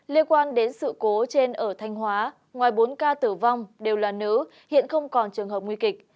liên quan đến sự cố trên ở thanh hóa ngoài bốn ca tử vong đều là nữ hiện không còn trường hợp nguy kịch